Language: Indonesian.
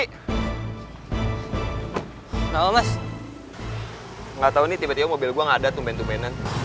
hai nama mas nggak tahu nih tiba tiba mobil gua ada tumpen tumpenan